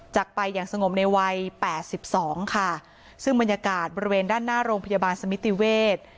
จากไปอย่างสงบในวัยแปดสิบสองค่ะซึ่งบรรยากาศบริเวณด้านหน้าโรงพยาบาลสมิติเวศ